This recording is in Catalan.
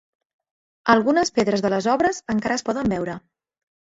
Algunes pedres de les obres encara es poden veure.